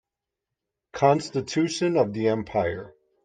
Constitution of the empire.